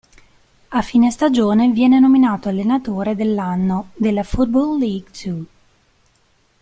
A fine stagione viene nominato allenatore dell'anno della Football League Two.